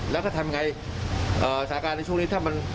แล้วก็ทำไงสถานการณ์ในช่วงนี้ถ้ามัน